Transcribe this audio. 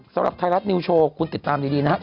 สำหรับไทยรัฐนิวโชว์คุณติดตามดีนะครับ